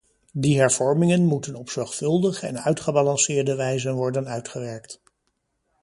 Die hervormingen moeten op zorgvuldige en uitgebalanceerde wijze worden uitgewerkt.